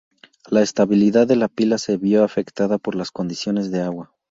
La estabilidad de la pila se vio afectada por las condiciones de agua.